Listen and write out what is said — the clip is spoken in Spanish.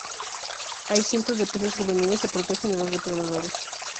Ahí cientos de peces juveniles se protegen de los depredadores.